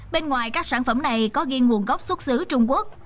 bên ngoài các sản phẩm này có ghi nguồn gốc xuất xứ trung quốc